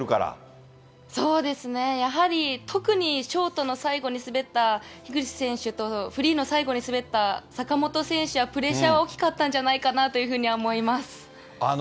そうですね、やはり特にショートの最後に滑った樋口選手とフリーの最後に滑った坂本選手は、プレッシャーは大きかったんじゃないかなとは思います。